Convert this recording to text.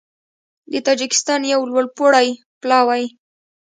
د تاجېکستان یو لوړپوړی پلاوی